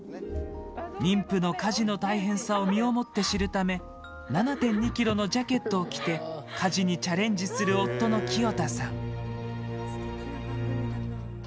妊婦の家事の大変さを身をもって知るため７．２ｋｇのジャケットを着て家事にチャレンジする夫の清太さん。